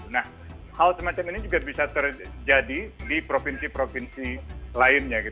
nah hal semacam ini juga bisa terjadi di provinsi provinsi lainnya